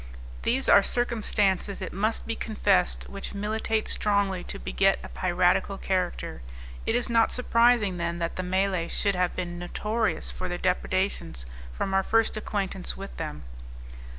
These are circumstances, it must be confessed, which militate strongly to beget a piratical character. It is not surprising, then, that the Malays should have been notorious for their depredations from our first acquaintance with them.